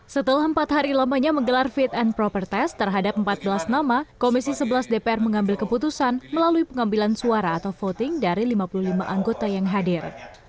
setelah empat hari lamanya menggelar fit and proper test terhadap empat belas nama komisi sebelas dpr mengambil keputusan melalui pengambilan suara atau voting dari lima puluh lima anggota yang hadir